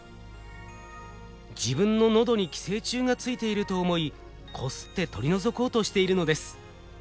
自分の喉に寄生虫がついていると思いこすって取り除こうとしているのです。